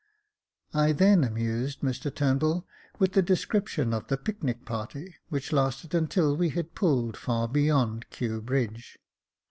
I then amused Mr Turnbull with the description of the picnic party, which lasted until we had pulled far beyond Kew Bridge.